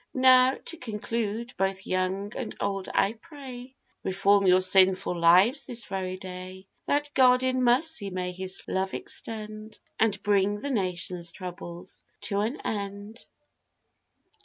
Now, to conclude, both young and old I pray, Reform your sinful lives this very day, That God in mercy may his love extend, And bring the nation's troubles to an end.